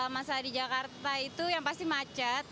masalah di jakarta itu yang pasti macet